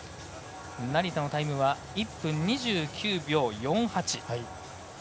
成田のタイムは１分２９秒４８。